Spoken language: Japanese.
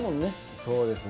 そうですね。